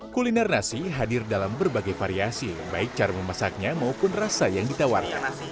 kuliner nasi hadir dalam berbagai variasi baik cara memasaknya maupun rasa yang ditawarkan